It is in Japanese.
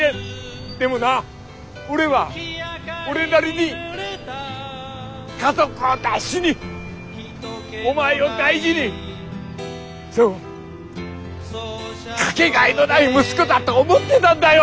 でもな俺は俺なりに家族を大事にお前を大事にそう掛けがえのない息子だと思ってたんだよ！